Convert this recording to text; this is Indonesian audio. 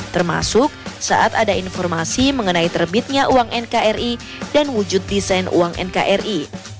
termasuk saat ada informasi mengenai terbitnya uang nkri dan wujud desain uang nkri